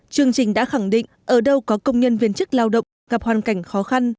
chương trình đã khẳng định ở đâu có công nhân viên chức lao động gặp hoàn cảnh khó khăn